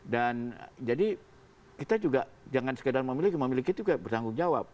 dan jadi kita juga jangan sekedar memiliki memiliki itu juga bertanggung jawab